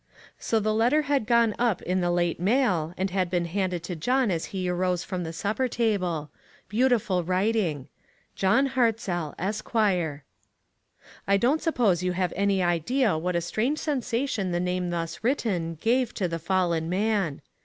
So the letter had gone up in the late mail, and had been handed to John as he HEDGED IN. 303 he arose from the supper table. Beautiful writing — "John Hartzell, Esq." I don't suppose you have any idea what ;i strange sensation the name thus written gave to the fallen man.